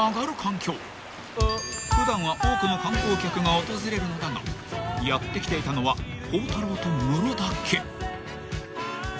［普段は多くの観光客が訪れるのだがやって来ていたのは孝太郎とムロだけ］